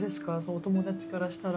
お友達からしたら。